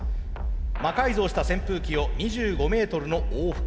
魔改造した扇風機を２５メートルの往復。